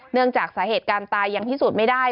เนื่องจากสาเหตุการตายยังพิสูจน์ไม่ได้